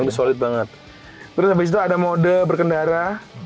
lebih solid banget terus ada mode berkendara